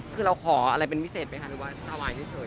คือเราขออะไรเป็นวิเศษไปค่ะหรือว่าถวายเฉย